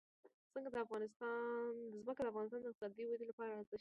ځمکه د افغانستان د اقتصادي ودې لپاره ارزښت لري.